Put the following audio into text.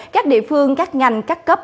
các địa phương các ngành các cấp